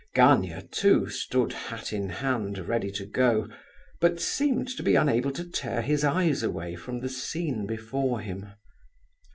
Gania, too stood hat in hand ready to go; but seemed to be unable to tear his eyes away from the scene before him.